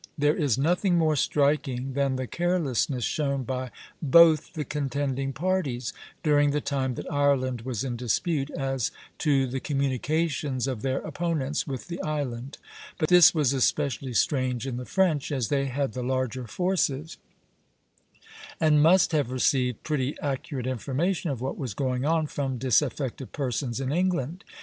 There is nothing more striking than the carelessness shown by both the contending parties, during the time that Ireland was in dispute, as to the communications of their opponents with the island; but this was especially strange in the French, as they had the larger forces, and must have received pretty accurate information of what was going on from disaffected persons in England.